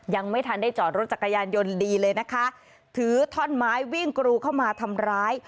ยังไม่ทันได้จอดรถจักรยานยนต์ดีเลยนะคะถือท่อนไม้วิ่งกรูเข้ามาทำร้าย